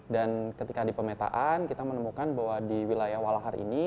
dan ketika di pemetaan kita menemukan bahwa di wilayah walahar ini